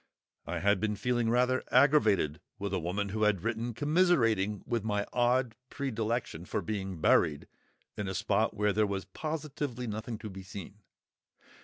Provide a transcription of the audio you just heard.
I had been feeling rather aggravated with a woman who had written commiserating with my odd predilection for being "buried" in a spot where there was "positively nothing to be seen."